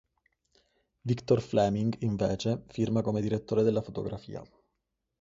Victor Fleming, invece, firma come direttore della fotografia.